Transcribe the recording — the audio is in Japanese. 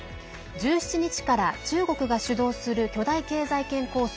１７日から中国が主導する巨大経済圏構想